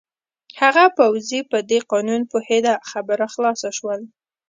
هغه پوځي په دې قانون پوهېده، خبره خلاصه شول.